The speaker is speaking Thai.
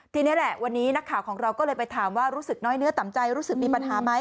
ทีนี้แหละวันนี้นักข่าวของเราก็เลยไปถามว่ารู้สึกน้อยเนื้อต่ำใจรู้สึกมีปัญหาไหม